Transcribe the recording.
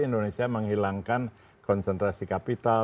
indonesia menghilangkan konsentrasi kapital